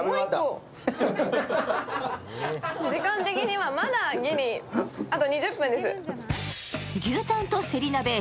時間的にはまだギリ、あと２０分です。